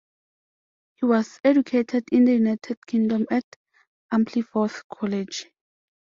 He was educated in the United Kingdom at Ampleforth College.